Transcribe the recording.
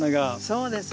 そうですね。